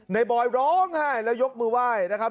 บอยร้องไห้แล้วยกมือไหว้นะครับ